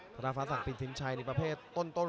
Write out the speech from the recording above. จังหวาดึงซ้ายตายังดีอยู่ครับเพชรมงคล